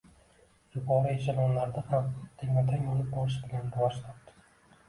yuqori eshelonlarda ham tengma-teng olib borish bilan rivoj topdi.